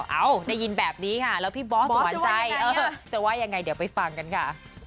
เอ้าได้ยินแบบนี้ค่ะแล้วพี่บอสหวานใจจะว่ายังไงเดี๋ยวไปฟังกันค่ะ